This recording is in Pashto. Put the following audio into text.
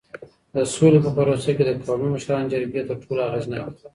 د سولې په پروسه کي د قومي مشرانو جرګې تر ټولو اغیزناکي دي.